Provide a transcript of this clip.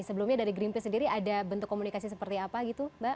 sebelumnya dari greenpeace sendiri ada bentuk komunikasi seperti apa gitu mbak